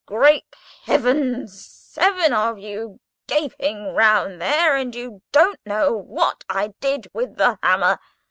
Great heavens! Seven of you, gaping round there, and you don't know what I did with the hammer!"